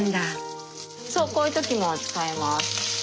そうこういう時も使えます。